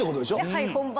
はい本番！